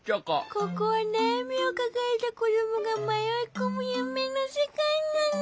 ここはなやみをかかえたこどもがまよいこむゆめのせかいなの。